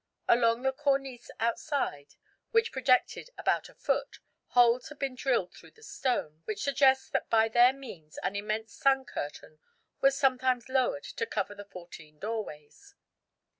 Along the cornice outside, which projected about a foot, holes had been drilled through the stone, which suggests that by their means an immense sun curtain was sometimes lowered to cover the fourteen doorways.